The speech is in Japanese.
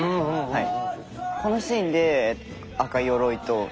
はい。